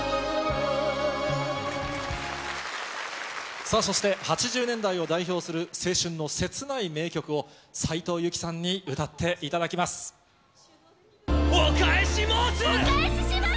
さあ、そして８０年代を代表する青春の切ない名曲を、斉藤由貴さんに歌っていただきます。